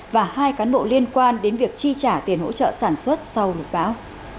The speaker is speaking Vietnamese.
và hai cán bộ liên quan đến việc chi trả tiền hỗ trợ sản xuất sau lục báo